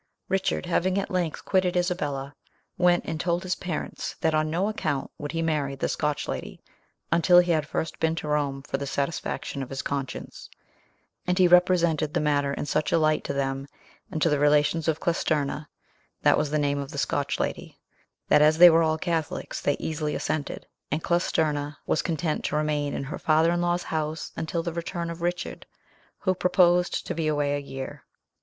Richard having at length quitted Isabella, went and told his parents that on no account would he marry the Scotch lady until he had first been to Rome for the satisfaction of his conscience; and he represented the matter in such a light to them and to the relations of Clesterna (that was the name of the Scotch lady), that as they were all Catholics, they easily assented, and Clesterna was content to remain in her father in law's house until the return of Richard, who proposed to be away a year.